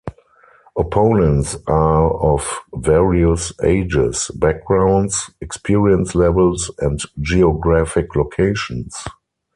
Opponents are of various ages, backgrounds, experience levels, and geographic locations.